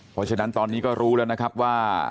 เพราะฉะนั้นตอนนี้ก็รู้แล้วนะครับว่า